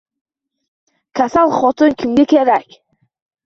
Kasal xotin kimga kerak